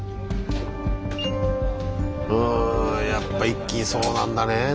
うんやっぱ一気にそうなんだね